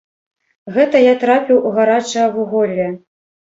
Гэта я трапіў у гарачае вуголле.